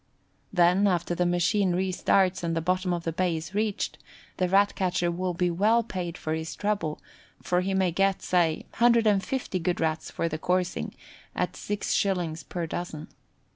Then, after the machine re starts, and the bottom of the bay is reached, the Rat catcher will be well paid for his trouble, for he may get, say, 150 good Rats for the coursing, at six shillings per dozen.